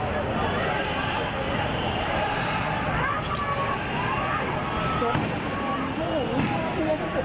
เพราะตอนนี้ก็ไม่มีเวลาให้เข้าไปที่นี่